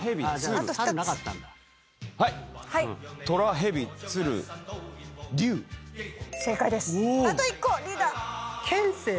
あと１個リーダー。